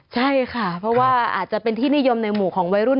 ใช่ค่ะเพราะว่าอาจจะเป็นที่นิยมในหมู่ของวัยรุ่น